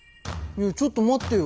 ちょっと待ってよ。